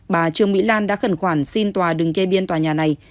bà trương mỹ lan đã khẩn khoản xin tòa đừng kê biên tòa nhà này